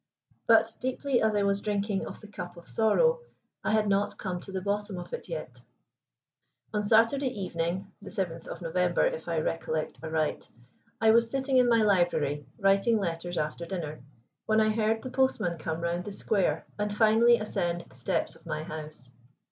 But, deeply as I was drinking of the cup of sorrow, I had not come to the bottom of it yet. One Saturday evening the 7th of November, if I recollect aright I was sitting in my library, writing letters after dinner, when I heard the postman come round the square and finally ascend the steps of my house.